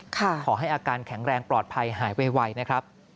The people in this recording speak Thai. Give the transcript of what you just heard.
ขอให้อาการแข็งแรงปลอดภัยหายไวนะครับ